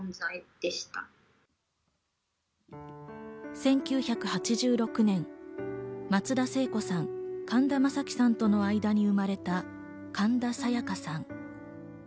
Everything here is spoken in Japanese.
１９８６年、松田聖子さん、神田正輝さんとの間に生まれた神田沙也加さん。